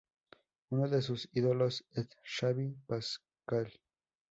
Uno de sus ídolos es Xavi Pasqual.